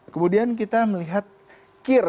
kemudian kita melihat kir